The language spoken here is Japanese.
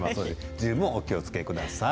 十分お気をつけください。